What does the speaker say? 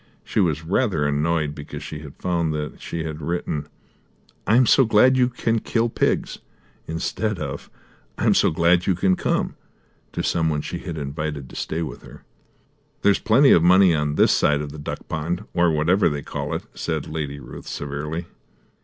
She was rather annoyed because she had found that she had written "I am so glad you can kill pigs," instead of "I am so glad you can come" to some one she had invited to stay with her. "There's plenty of money on this side of the duck pond, or whatever they call it," said Lady Ruth severely.